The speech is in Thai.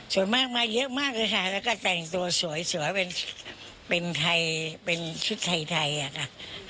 ส่วนมากมาเยอะมากเลยค่ะแล้วก็แต่งตัวสวยเป็นไทยเป็นชุดไทยอะค่ะ